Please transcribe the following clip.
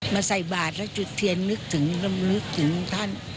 มาใส่บาดแล้วจุดเทียนนึกถึงท่าน